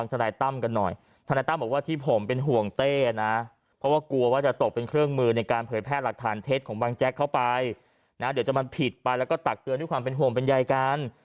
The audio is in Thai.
กางเผยแพทย์หลักฐานเท็จของบางแจ็คเข้าไปเดี๋ยวจะมาผิดไปแล้วก็ตัดเกือบด้วยความเป็นห่วงเป็นใยกัน